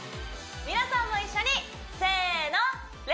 皆さんも一緒にせーの！